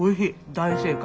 大正解。